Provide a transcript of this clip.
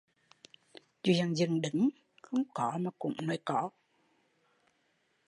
Chuyện dựng đứng, không có mà cũng nói có